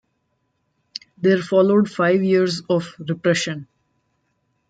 There followed five years of repression.